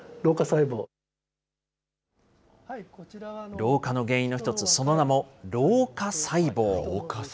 老化の原因の一つ、その名も老化細胞。